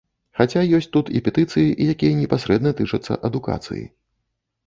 Хаця ёсць тут і петыцыі, якія непасрэдна тычацца адукацыі.